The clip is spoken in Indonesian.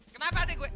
kenapa adik gue